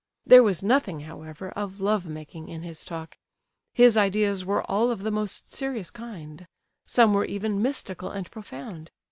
There was nothing, however, of love making in his talk. His ideas were all of the most serious kind; some were even mystical and profound.